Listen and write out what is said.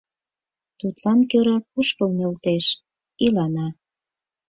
Тудлан кӧра кушкыл нӧлтеш, илана.